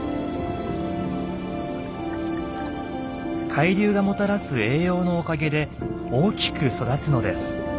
海流がもたらす栄養のおかげで大きく育つのです。